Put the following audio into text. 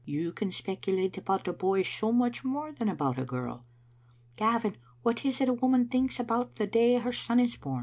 You can spec ulate about a boy so much more than about a girl. Gavin, what is it a woman thinks about the day her son is bom?